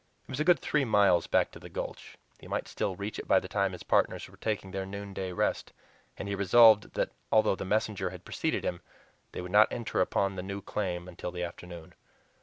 It was a good three miles back to the Gulch; he might still reach it by the time his partners were taking their noonday rest, and he resolved that although the messenger had preceded him, they would not enter upon the new claim until the afternoon.